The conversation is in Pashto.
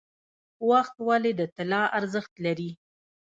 وخت ولې د طلا ارزښت لري؟